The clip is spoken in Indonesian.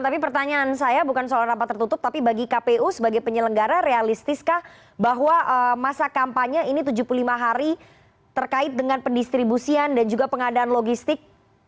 tapi pertanyaan saya bukan soal rapat tertutup tapi bagi kpu sebagai penyelenggara realistiskah bahwa masa kampanye ini tujuh puluh lima hari terkait dengan pendistribusian dan juga pengadaan logistik